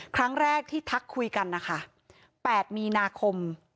ครั้งแรกที่ทักคุยกันนะคะ๘มีนาคม